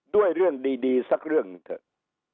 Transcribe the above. ด้วยเรื่องดีสักเรื่องหนึ่งเถอะ